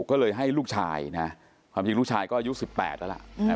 ก็เลยให้ลูกชายนะฮะความจริงลูกชายก็อายุสิบแปดแล้วล่ะอืม